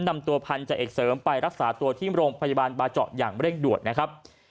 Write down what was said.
นำตัวพันธเอกเสริมไปรักษาตัวที่โรงพยาบาลบาเจาะอย่างเร่งด่วนนะครับ